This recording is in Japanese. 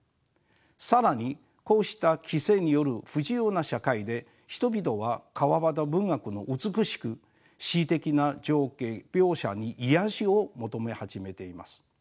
更にこうした規制による不自由な社会で人々は川端文学の美しく詩的な情景描写に癒やしを求め始めています。